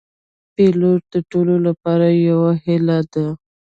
پیلوټ د ټولو لپاره یو هیله ده.